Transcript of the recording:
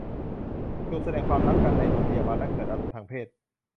จูบแสดงความรักกันในโรงพยาบาลและเกิดอารมณ์ทางเพศ